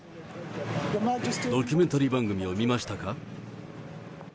ドキュメンタリー番組を見ましたか？